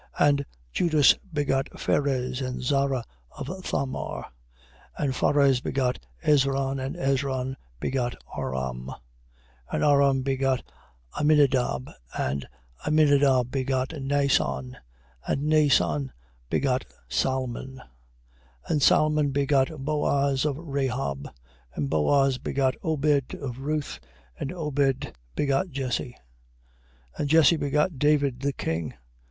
1:3. And Judas begot Phares and Zara of Thamar. And Phares begot Esron. And Esron begot Aram. 1:4. And Aram begot Aminadab. And Aminadab begot Naasson. And Naasson begot Salmon. 1:5. And Salmon begot Booz of Rahab. And Booz begot Obed of Ruth. And Obed begot Jesse. 1:6. And Jesse begot David the king.